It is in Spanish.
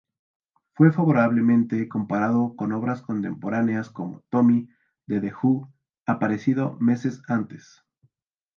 Fue favorablemente comparado con obras contemporáneas como "Tommy" de The Who, aparecido meses antes.